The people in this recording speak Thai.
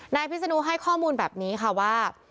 พิศนุให้ข้อมูลแบบนี้ค่ะว่า